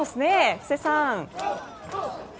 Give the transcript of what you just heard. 布施さん。